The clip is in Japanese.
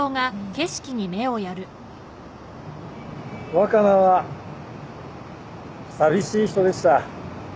若菜は寂しい人でした。